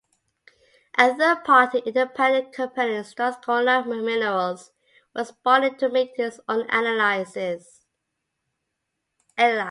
A third-party independent company, Strathcona Minerals, was brought in to make its own analysis.